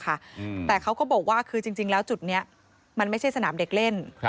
พลาสติกอย่างที่เห็นนะคะแต่เขาก็บอกว่าคือจริงแล้วจุดนี้มันไม่ใช่สนามเด็กเล่น